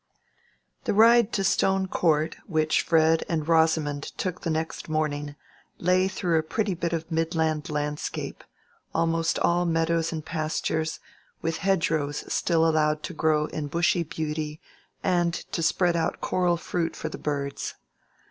The ride to Stone Court, which Fred and Rosamond took the next morning, lay through a pretty bit of midland landscape, almost all meadows and pastures, with hedgerows still allowed to grow in bushy beauty and to spread out coral fruit for the birds.